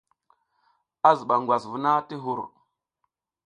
A ziɓa ngwas vuna ti hur.